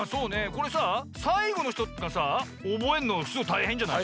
これささいごのひとがさおぼえるのすごいたいへんじゃない？